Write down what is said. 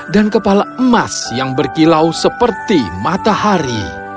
dan kepala emas yang berkilau seperti matahari